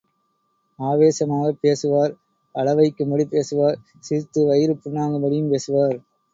ஆவேசமாகப் பேசுவார் அழவைக்கும்படி பேசுவார் சிரித்து வயிறு புண்ணாகும்படியும் பேசுவார்.